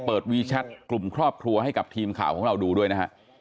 วีแชทกลุ่มครอบครัวให้กับทีมข่าวของเราดูด้วยนะฮะ